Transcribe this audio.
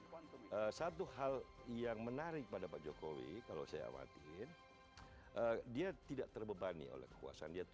buat yang keam faction